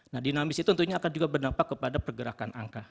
nah dinamis itu tentunya akan juga berdampak kepada pergerakan angka